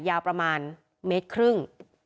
ยาวประมาณเมตรครึ่ง